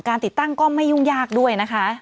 ติดตั้งก็ไม่ยุ่งยากด้วยนะคะ